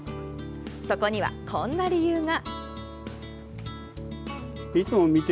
そこには、こんな理由が。